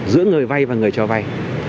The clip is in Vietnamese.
giữa người vay và người cho vay